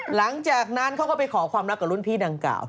หลังจากนั้นเขาก็ไปขอความรักกับรุ่นพี่ดังกล่าว